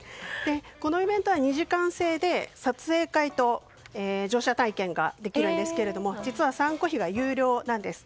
このイベントは２時間制で撮影会と乗車体験ができるんですが実は参加費は有料なんです。